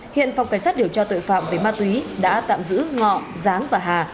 hiện phòng cảnh sát điều tra tội phạm về ma túy đã tạm giữ ngọ giáng và hà